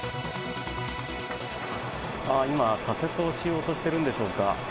今、左折をしようとしてるんでしょうか。